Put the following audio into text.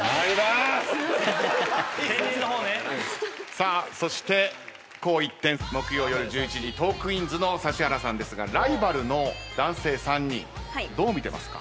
さあそして紅一点木曜夜１１時『トークィーンズ』の指原さんですがライバルの男性３人どう見てますか？